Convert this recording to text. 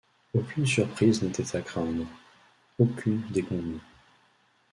Aucune surprise n’était à craindre, aucune déconvenue.